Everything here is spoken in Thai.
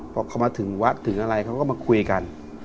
พอเขามาถึงวัดถึงอะไรเขาก็มาคุยกัน